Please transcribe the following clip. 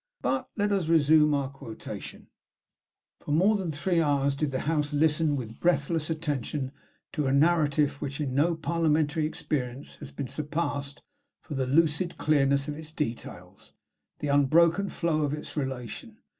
But let us resume our quotation: "For more than three hours did the House listen with breathless attention to a narrative which in no parliamentary experience has been surpassed for the lucid clearness of its details, the unbroken flow of its relation.